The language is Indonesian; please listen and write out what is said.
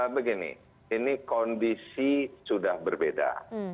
begini ini kondisi sudah berbeda